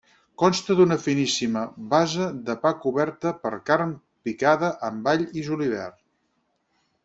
Consta d'una finíssima base de pa coberta per carn picada amb all i julivert.